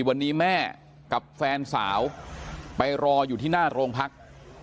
วันนี้แม่กับแฟนสาวไปรออยู่ที่หน้าโรงพัก